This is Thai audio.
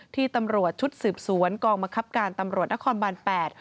ที่ตำรวจชุดสืบสวนกองบังคับการตำรวจนครบาน๘